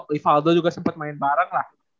rivaldo juga sempet main bareng lah